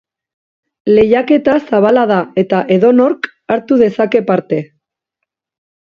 Lehiaketa zabala da eta edonork hartu dezake parte.